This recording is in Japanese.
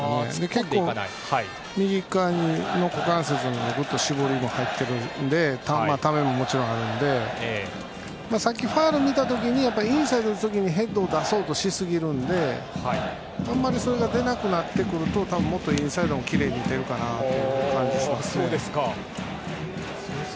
結構、右側の股関節のぐっと絞りも入ってためもあるのでさっきファウルを見た時にインサイドに打つ時にヘッドを出そうとしすぎるのであまりそれが出なくなってくるともっとインサイドをきれいに打てる感じがします。